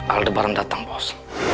aldebaran datang bos